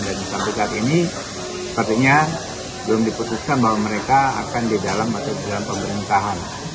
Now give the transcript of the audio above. dan sepertinya ini sepertinya belum diputuskan bahwa mereka akan di dalam atau di luar pemerintahan